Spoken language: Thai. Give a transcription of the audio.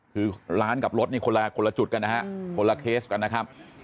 คือร้านกับรถนี่คนละจุดกันนะฮะคนละเคสกันนะครับ